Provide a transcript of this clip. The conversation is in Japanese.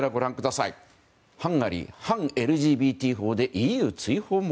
ハンガリー反ＬＧＢＴ法でＥＵ追放も。